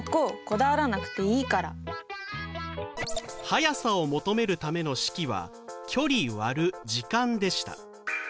「速さ」を求めるための式は「距離」割る「時間」でした。